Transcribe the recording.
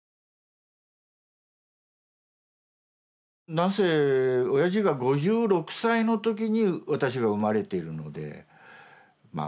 なんせおやじが５６歳の時に私が生まれているのでまあ